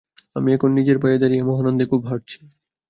আমি এখন নিজের পায়ে দাঁড়িয়ে মহানন্দে খুব খাটছি।